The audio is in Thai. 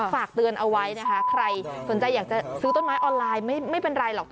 ฝากเตือนเอาไว้นะคะใครสนใจอยากจะซื้อต้นไม้ออนไลน์ไม่เป็นไรหรอก